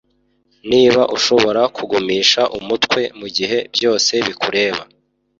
Niba ushobora kugumisha umutwe mugihe byose bikureba